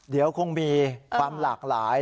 เดี๋ยวคงมีความหลากหลาย